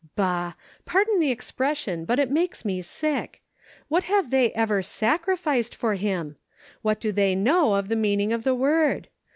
Bah ! pardon the ex pression, but it makes me sick. What have they ever sacrificed for Him ? What do they know of the meaning of the word?